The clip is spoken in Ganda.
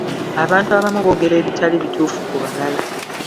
Abantu abamu boogera ebitali bituufu ku balala.